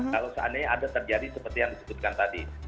kalau seandainya ada terjadi seperti yang disebutkan tadi